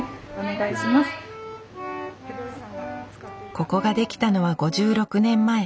ここが出来たのは５６年前。